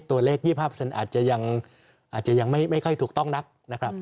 ตัวเลข๒๕อาจจะยังอาจจะยังไม่ค่อยถูกต้องนักนะครับ